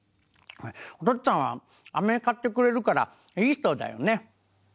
おとっつぁんはあめ買ってくれるからいい人だよね。